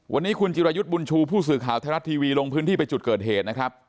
วันนี้คุณจิรายุทธ์บุญชูผู้สื่อข่าวไทยรัฐทีวีลงพื้นที่ไปจุดเกิดเหตุนะครับ